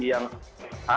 hikmahnya apa tuh bang